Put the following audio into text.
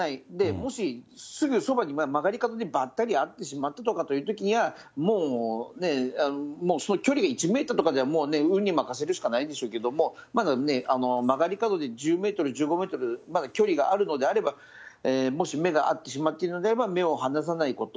もしすぐそばに、曲がり角でばったり会ってしまったとかいうときには、もう距離が１メートルとかではもうね、運に任せるしかないんでしょうけども、まだ曲がり角で１０メートル、１５メートル、まだ距離があるのであれば、もし目が合ってしまっているのであれば、目を離さないこと。